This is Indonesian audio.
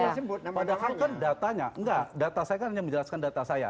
padahal kan datanya enggak data saya kan hanya menjelaskan data saya